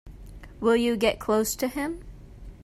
Will you get close to him?